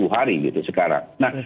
sepuluh hari gitu sekarang nah